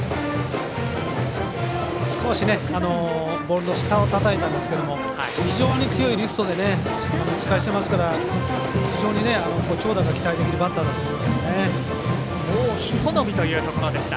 少しボールの下をたたいたんですけども非常に強いリストで打ち返していますから非常に長打が期待できるバッターだと思いますね。